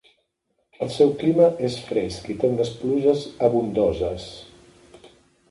El seu clima és fresc i té unes pluges abundoses.